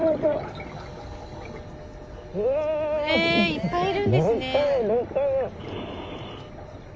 いっぱいいるんですね。